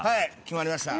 決まりました。